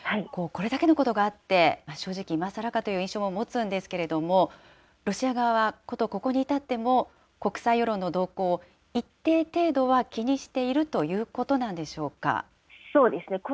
これだけのことがあって、正直、今さらかという印象も持つんですけれども、ロシア側は、ことここに至っても、国際世論の動向を一定程度は気にしているということそうですね。